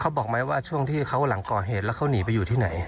บอกไหมว่าช่วงที่เขาหลังก่อเหตุแล้วเขาหนีไปอยู่ที่ไหน